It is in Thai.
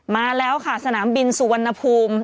มาแล้วค่ะสนามบินสุวรรณภูมิ